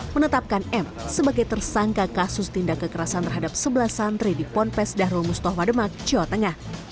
menetapkan m sebagai tersangka kasus tindak kekerasan terhadap sebelas santri di ponpes dahrul mustafa demak jawa tengah